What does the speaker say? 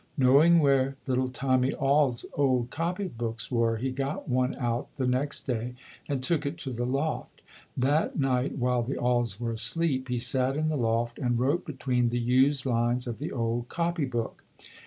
Knowing where little Tommy Auld's old copy books were, he got one out the next day and took it to the loft. That night while the Aulds were asleep he sat in the loft and wrote between the used lines of the old copy book.